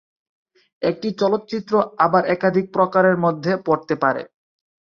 একটি চলচ্চিত্র আবার একাধিক প্রকারের মধ্যে পড়তে পারে।